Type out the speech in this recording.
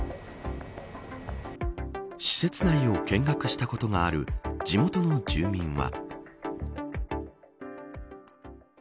施設内を見学したことがある地元の住民は。